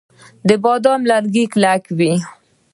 د بادام لرګي کلک وي.